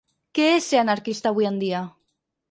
Què és ser anarquista avui en dia?